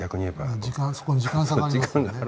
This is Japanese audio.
そこに時間差がありますよね。